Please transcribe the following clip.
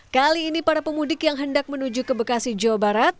kali ini para pemudik yang hendak menuju ke bekasi jawa barat